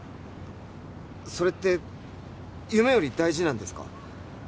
それって夢より大事なんですか？